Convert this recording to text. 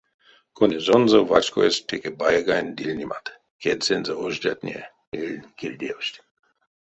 Конязонзо вачкоесть теке баягань дильнемат, кедьсэнзэ ождятне эль кирдевсть.